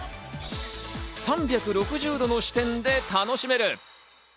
３６０度の視点で楽しめる。